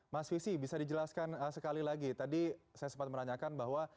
mas visi bisa dijelaskan sekali lagi tadi saya sempat menanyakan bahwa